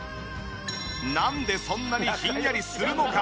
なんでそんなにひんやりするのか？